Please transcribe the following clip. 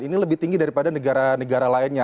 ini lebih tinggi daripada negara negara lainnya